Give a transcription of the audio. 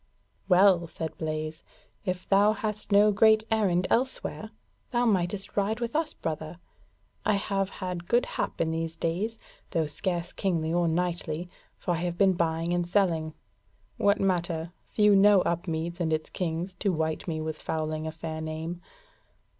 "Well," said Blaise, "if thou hast no great errand elsewhere, thou mightest ride with us, brother. I have had good hap in these days, though scarce kingly or knightly, for I have been buying and selling: what matter? few know Upmeads and its kings to wite me with fouling a fair name.